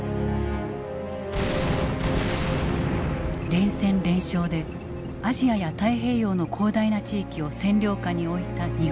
連戦連勝でアジアや太平洋の広大な地域を占領下に置いた日本軍。